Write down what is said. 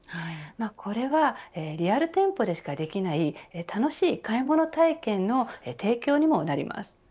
これはリアル店舗でしかできない楽しい買い物体験の提供にもなります。